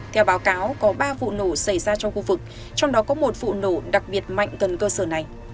theo báo cáo có ba vụ nổ xảy ra trong khu vực trong đó có một vụ nổ đặc biệt mạnh gần cơ sở này